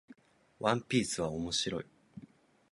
ワンピースは面白い